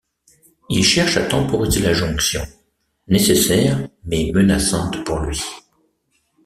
Il cherche à temporiser la jonction, nécessaire mais menaçante pour lui.